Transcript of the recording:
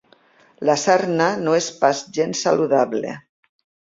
La sarna no és pas gens saludable.